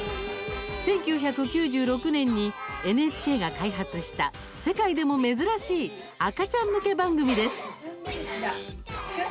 １９９６年にＮＨＫが開発した世界でも珍しい赤ちゃん向け番組です。